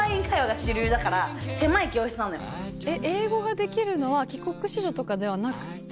英語ができるのは帰国子女とかではなくて？